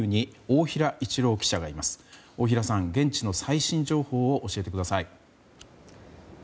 大平さん、現地の最新情報を教えてください。